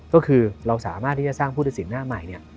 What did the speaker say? ก็คือเราสามารถที่จะสร้างผู้ทศิลป์หน้าใหม่